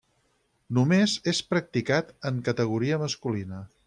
Només és practicat en categoria masculina.